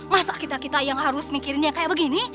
masa kita kita yang harus mikirin yang kayak begini